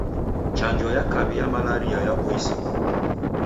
Chanjo ya kaw'i ya malaria yaboisiro.